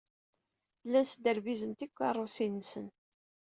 Llan sderbizen tikeṛṛusin-nsen.